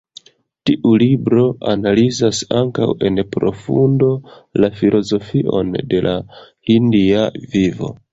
Tiu libro analizas ankaŭ en profundo la filozofion de la hindia vivo.